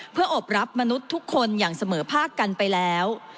เพื่ออบรับมนุษย์ทุกคนอย่างเสมอภาคกันไปแล้ว